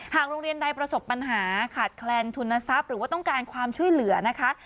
โรงเรียนใดประสบปัญหาขาดแคลนทุนทรัพย์หรือว่าต้องการความช่วยเหลือนะคะ